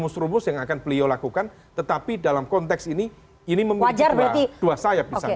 mungkin ada rumus rumus yang akan beliau lakukan tetapi dalam konteks ini ini memiliki dua sayap